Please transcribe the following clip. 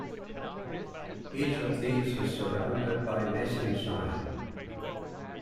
Each of these is surrounded by mesenchyme.